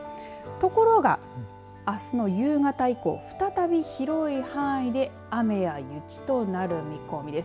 ところがあすの夕方以降、再び広い範囲で雨や雪となる見込みです。